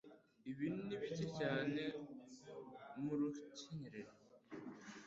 Ibi ni bike cyane mu rukenyerero.